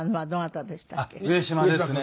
上島ですね。